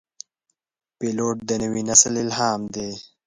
پیلوټ د نوي نسل الهام دی.